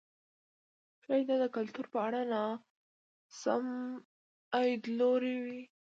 خو ښايي دا د کلتور په اړه ناسم لیدلوری وي.